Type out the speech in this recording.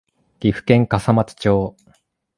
岐阜県笠松町